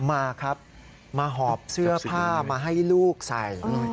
มาครับมาหอบเสื้อผ้ามาให้ลูกใส่